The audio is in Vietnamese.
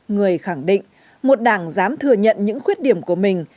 người khẳng định một đảng dám thừa nhận những khuyết điểm của mình